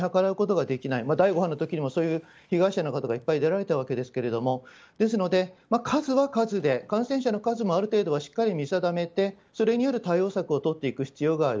第５波の時もそういう被害者の方がいっぱいおられたわけですので数は数で感染者の数もある程度しっかり見定めてそれによる対応策をとっていく必要がある。